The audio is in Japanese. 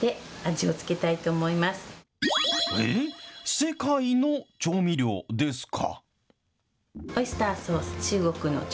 世界の調味料ですか？